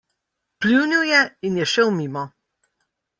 Pljunil je in je šel mimo.